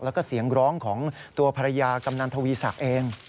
แล้วก็เสียงร้องของตัวภรรยากำนันทวีศักดิ์เอง